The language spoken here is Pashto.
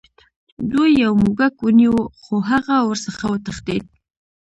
دوی یو موږک ونیو خو هغه ورڅخه وتښتید.